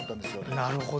なるほど。